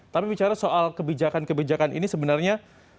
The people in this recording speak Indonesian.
tapi bicara soal kebijakan kebijakan ini sebenarnya